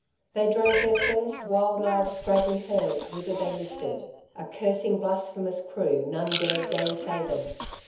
They drove their first, wild eyed, scraggy herds whither they listed, a cursing, blasphemous crew, none dared gainsay them.